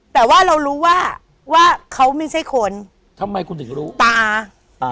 แต่ว่าเรารู้ว่าว่าเขาไม่ใช่คนทำไมคุณถึงรู้ตาอ่า